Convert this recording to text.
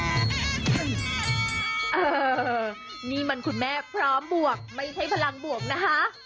เออนี่มันคุณแม่พร้อมบวกไม่ใช่พลังบวกนะคะ